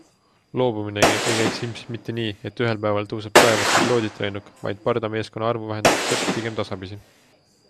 Loobuminegi ei käiks ilmselt mitte nii, et ühel päeval tõuseb taevasse piloodita lennuk, vaid pardameeskonna arvu vähendataks pigem tasapisi.